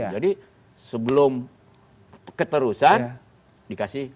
jadi sebelum keterusan dikasih warning